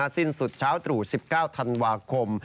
สิ้นสุดเช้าตรู่๑๙ธันวาคม